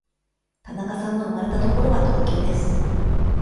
田中さんの生まれた所は東京です。